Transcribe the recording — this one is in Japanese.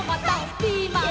「」「ピーマン。」